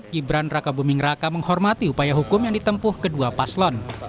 gibran raka buming raka menghormati upaya hukum yang ditempuh kedua paslon